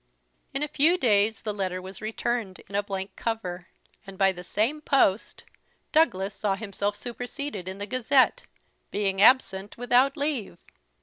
In a few days the letter was returned, in a blank cover; and, by the same post, Douglas saw himself superseded in the Gazette, being absent without leave!